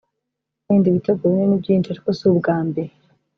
wenda ibitego bine ni byinshi ariko si ubwa mbere